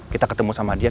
kita ketemu sama dia